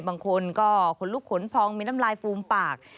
บางคนก็ขนลุกขนพองมีน้ำลายฟูมปาก